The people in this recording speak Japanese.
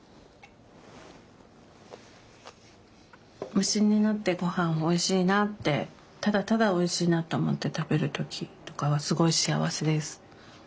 無心になってごはんおいしいなってただただおいしいなと思って食べる時とかはすごい幸せです。